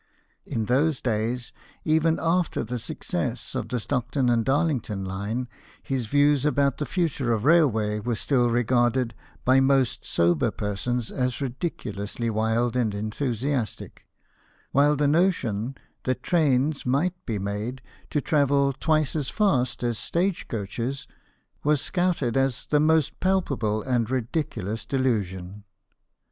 In those days, even after the GEORGE STEPHENSON, ENGINE MAN. 53 success of the Stockton and Darlington line, his views about the future of railways were still regarded by most sober persons as ridiculously wild and enthusiastic ; while the notion that trains might be made to travel twice as fast as stage coaches, was scouted as the most palpable and ridiculous delusion.